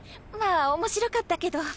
まぁ面白かったけど。